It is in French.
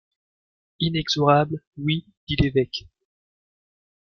Inexorable, oui, dit l’évêque.